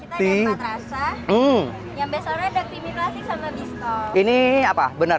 yang bestsellernya ada krimi klasik sama bistop